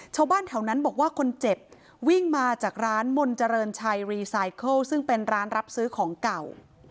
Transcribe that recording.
ชาวบ้านแถวนั้นบอกว่าคนเจ็บวิ่งมาจากร้านมนต์เจริญชัยรีไซเคิลซึ่งเป็นร้านรับซื้อของเก่า